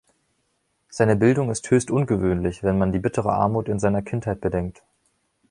Seine Bildung ist höchst ungewöhnlich, wenn man die bittere Armut in seiner Kindheit bedenkt.